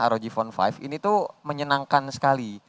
rog phone lima ini tuh menyenangkan sekali